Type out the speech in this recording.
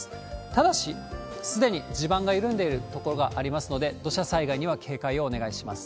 ただし、すでに地盤が緩んでいる所がありますので、土砂災害には警戒をお願いします。